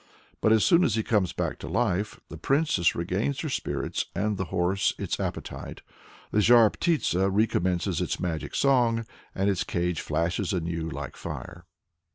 But as soon as he comes back to life, the princess regains her spirits, and the horse its appetite. The Zhar Ptitsa recommences its magic song, and its cage flashes anew like fire.